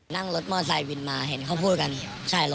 นั่งรถมอเตอร์ไซด์วินมาเห็นเขาพูดกันลงแถวเนี่ย